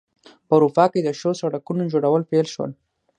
په اروپا کې د ښو سړکونو جوړول پیل شول.